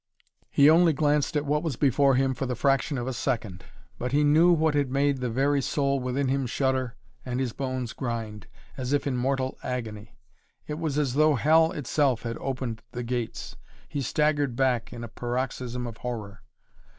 He only glanced at what was before him for the fraction of a second. But he knew what had made the very soul within him shudder and his bones grind, as if in mortal agony. It was as though Hell itself had opened the gates. He staggered back in a paroxysm of horror.